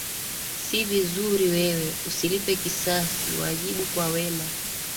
Si vizuri wewe, usilipe kisasi, wajibu kwa wema.